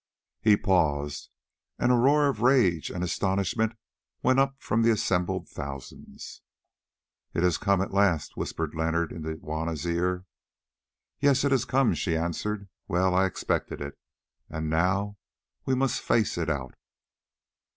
He paused, and a roar of rage and astonishment went up from the assembled thousands. "It has come at last," whispered Leonard into Juanna's ear. "Yes, it has come," she answered. "Well, I expected it, and now we must face it out."